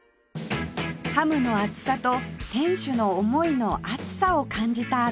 ハムの厚さと店主の思いの熱さを感じた純ちゃん